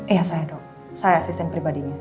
iya saya dok saya asisten pribadinya